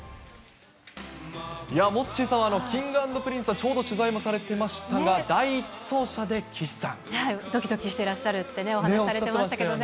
いやモッチーさん、Ｋｉｎｇ＆Ｐｒｉｎｃｅは、ちょうど取材もされてましたが、第１走者で岸どきどきしてらっしゃるってね、お話されてましたけどね。